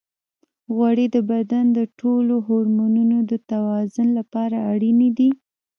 غوړې د بدن د ټولو هورمونونو د توازن لپاره اړینې دي.